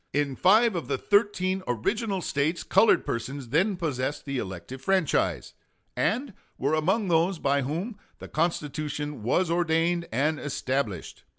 In five of the thirteen original States colored persons then possessed the elective franchise, and were among those by whom the Constitution was ordained and established.